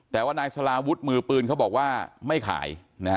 แต่ว่านายสลาวุฒิมือปืนเขาบอกว่าไม่ขาย